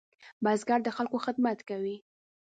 بزګر د خلکو خدمت کوي